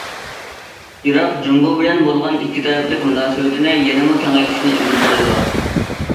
ئىراق جۇڭگو بىلەن بولغان ئىككى تەرەپلىك مۇناسىۋىتىنى يەنىمۇ كېڭەيتىشنى ئۈمىد قىلىدۇ.